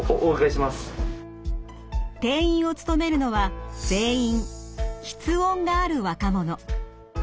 店員を務めるのは全員吃音がある若者。